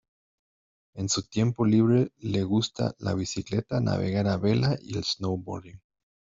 En su tiempo libre le gusta la bicicleta, navegar a vela y el "snowboarding".